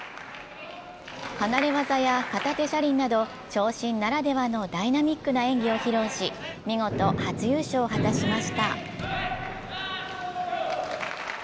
離れ技や片手車輪など長身ならではのダイナミックな演技を披露し見事初優勝を果たしました。